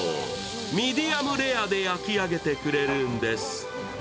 ミディアムレアで焼き上げてくれるんです。